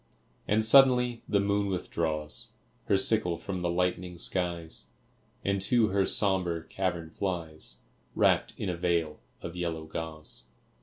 And suddenly the moon withdraws Her sickle from the lightening skies, And to her sombre cavern flies, Wrapped in a veil of yellow gauze.